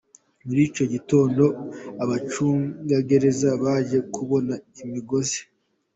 Muri icyo gitondo abacungagereza babanje kubona imigozi.